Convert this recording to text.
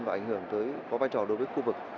và ảnh hưởng tới có vai trò đối với khu vực